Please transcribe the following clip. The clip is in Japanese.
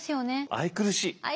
愛くるしい。